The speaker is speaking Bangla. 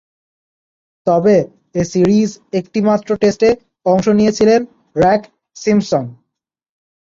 তবে, এ সিরিজে একটিমাত্র টেস্টে অংশ নিয়েছিলেন রেগ সিম্পসন।